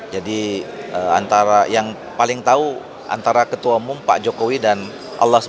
jadi yang paling tahu antara ketua umum pak jokowi dan allah swt